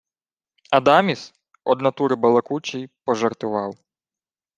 Адаміс, од натури балакучий, пожартував: